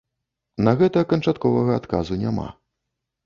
На гэта канчатковага адказу няма.